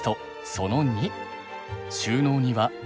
その２。